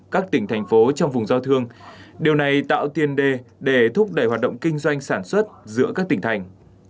các tỉnh thành phố trong vùng giao thương điều này tạo tiền đề để thúc đẩy hoạt động kinh doanh sản xuất giữa các tỉnh thành